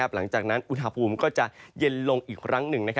หลังจากนั้นอุณหภูมิก็จะเย็นลงอีกครั้งหนึ่ง